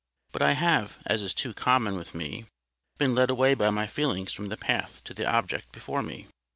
But I have, as is too common with me, been led away by my feelings from the path to the object before me.